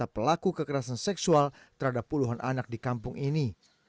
pelaku kekerasan seksual terhadap puluhan anak di kampung ini